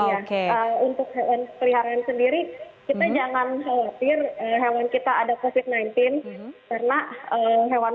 oke untuk pria sendiri kita jangan khawatir hewan kita ada positif sembilan belas karena hewan hewan